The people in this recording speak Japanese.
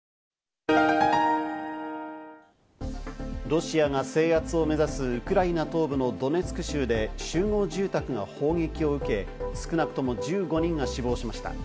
ロシアが制圧を目指すウクライナ東部のドネツク州で集合住宅が砲撃を受け、少なくとも１５人が死亡しました。